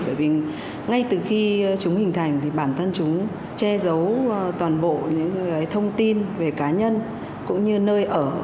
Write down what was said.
bởi vì ngay từ khi chúng hình thành thì bản thân chúng che giấu toàn bộ những thông tin về cá nhân cũng như nơi ở